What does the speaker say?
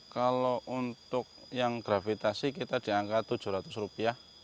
kalau untuk yang gravitasi kita diangkat rp tujuh ratus